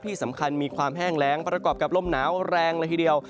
ที่สำคัญมีความแห้งแรงประกอบกับลมหนาวแรงละทีเดียว